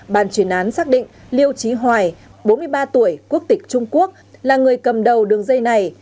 bàn chuyển án xác định liêu trí hoài bốn mươi ba tuổi quốc tịch trung quốc là người cầm đầu đường dây này